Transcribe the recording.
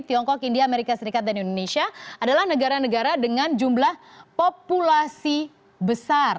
tiongkok india amerika serikat dan indonesia adalah negara negara dengan jumlah populasi besar